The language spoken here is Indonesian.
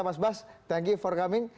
mas bas terima kasih telah datang